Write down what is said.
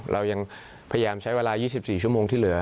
เรายังพยายามใช้เวลา๒๔ชั่วโมงที่เหลือ